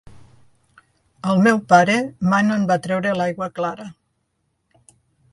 El meu pare mai no en va treure l'aigua clara.